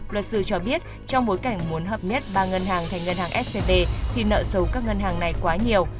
luật sư cho biết trong bối cảnh muốn hợp nhất ba ngân hàng thành ngân hàng scb thì nợ xấu các ngân hàng này quá nhiều